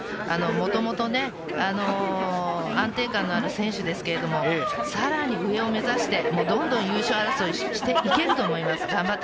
もともと安定感のある選手ですけれどさらに上を目指してどんどん優勝争いをしていけると思います。